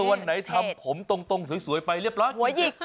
เออวันไหนทำผมตรงสวยไปเรียบร้านที่๗